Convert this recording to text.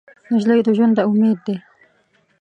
نجلۍ د ژونده امید ده.